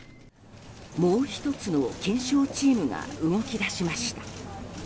もう１つの検証チームが動き出しました。